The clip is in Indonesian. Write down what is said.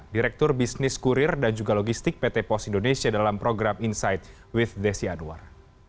direktur bisnis kurir dan juga logistik pt pos indonesia dalam program insight with desi anwar